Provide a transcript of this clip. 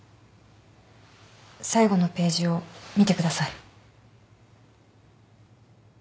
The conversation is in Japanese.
最後のページを見てください。